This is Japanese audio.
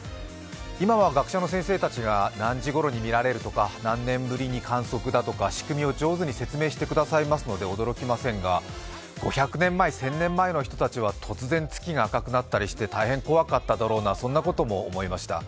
今は学者の先生たちが何時ごろに見られるとか、何年ぶりに観測だとか、仕組みを上手に説明してくださいますので驚きませんが、５００年前、１０００年前の人たちは突然月が赤くなったりして、大変怖かっただろうな、そんなことも思いました。